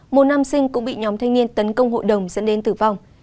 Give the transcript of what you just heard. một nam sinh cũng bị nhóm thanh niên tấn công hội đồng dẫn đến tử vong